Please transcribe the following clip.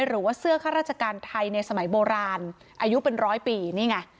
หรือว่าเสื้อข้าราชการไทยในสมัยโบราณอายุเป็นร้อยปีนี่ไง